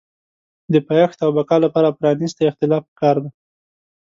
د پایښت او بقا لپاره پرانیستی اختلاف پکار دی.